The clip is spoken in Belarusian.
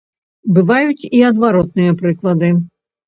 Бываюць і адваротныя прыклады.